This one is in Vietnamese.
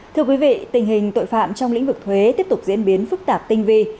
thưa quý vị tình hình tội phạm trong lĩnh vực thuế tiếp tục diễn biến phức tạp tinh vi